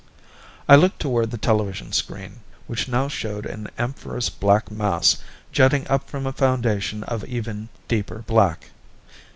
I looked toward the television screen, which now showed an amorphous black mass, jutting up from a foundation of even deeper black.